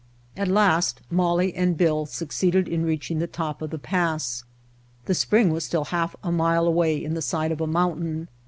At last Molly and Bill succeeded in reaching the top of the pass. The spring was still half a mile away in the side of a mountain.